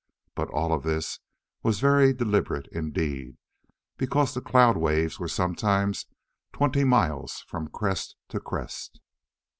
But all of this was very deliberate indeed, because the cloud waves were sometimes twenty miles from crest to crest.